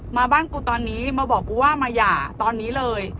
มาบ้านกูตอนนี้มาบอกกูว่ามาหย่าตอนนี้เลย